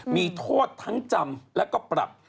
มีโทษทั้งจำแล้วก็ปรับ